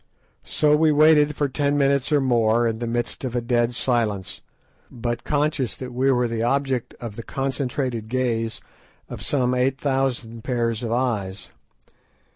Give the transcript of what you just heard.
So we waited for ten minutes or more in the midst of a dead silence, but conscious that we were the object of the concentrated gaze of some eight thousand pairs of eyes.